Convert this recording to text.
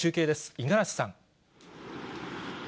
五十嵐さん。